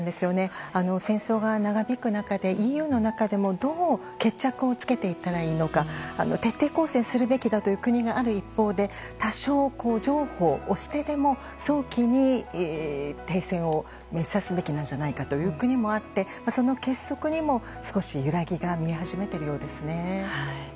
戦争が長引く中でＥＵの中でもどう決着をつけていったらいいのか徹底抗戦するべきだという国がある一方で多少譲歩をしてでも早期に停戦を目指すべきなんじゃという国もあってその結束にも少し揺らぎも見え始めているようですね。